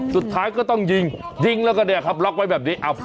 สุดท้ายก็ต้องยิงยิงแล้วก็ล็อกไว้แบบนี้